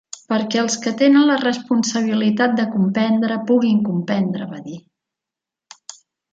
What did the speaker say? "Perquè els que tenen la responsabilitat de comprendre puguin comprendre" va dir.